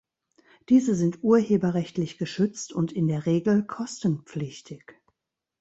Diese sind urheberrechtlich geschützt und in der Regel kostenpflichtig.